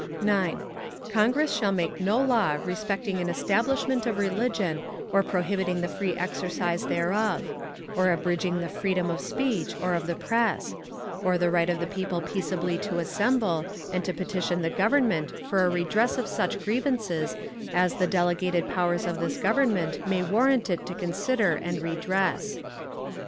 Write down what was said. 9. Congress shall make no law respecting an establishment of religion or prohibiting the free exercise thereof; or abridging the freedom of speech, or of the press; or the right of the people peaceably to assemble and to petition the Government for a redress of such grievances as the delegated powers of this Government may warrant it to consider and redress.